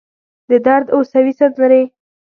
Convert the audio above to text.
د درد اوسوي سندرې